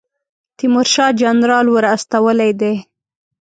تیمورشاه جنرال ور استولی دی.